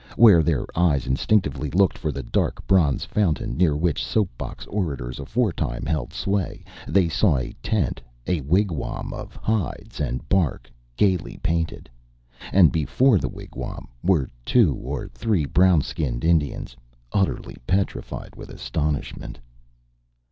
Where their eyes instinctively looked for the dark bronze fountain, near which soap box orators aforetime held sway, they saw a tent, a wigwam of hides and bark gaily painted. And before the wigwam were two or three brown skinned Indians, utterly petrified with astonishment.